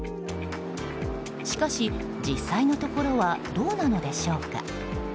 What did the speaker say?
しかし、実際のところはどうなのでしょうか。